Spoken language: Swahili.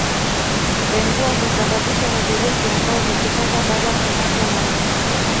Dengua husababishwa na virusi ambao hukupata baada ya kungâatwa na mbu